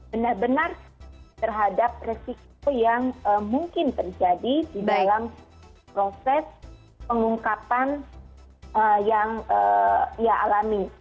benar benar terhadap resiko yang mungkin terjadi di dalam proses pengungkapan yang ia alami